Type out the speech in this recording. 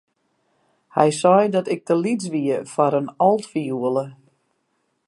Hy sei dat ik te lyts wie foar in altfioele.